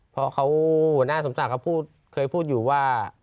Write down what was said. เพราะเขาหัวหน้าสมศักดิ์เขาเคยพูดอยู่ว่า